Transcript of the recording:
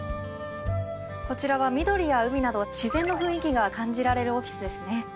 こちらは緑や海など自然の雰囲気が感じられるオフィスですね。